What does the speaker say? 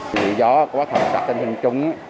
vị gió quá thật tạp tình hình chúng